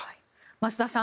増田さん